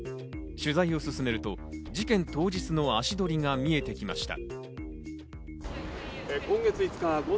取材を進めると、事件当日の足取りが見えてきました。